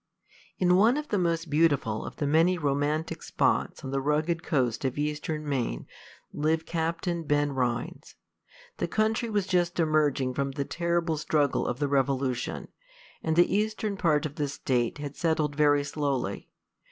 In one of the most beautiful of the many romantic spots on the rugged coast of Eastern Maine lived Captain Ben Rhines. The country was just emerging from the terrible struggle of the revolution, and the eastern part of the state had settled very slowly.